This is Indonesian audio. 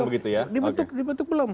begitu ya dibentuk belum